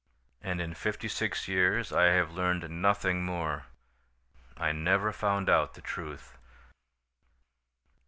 "And in fifty six years I have learned nothing more. I never found out the truth."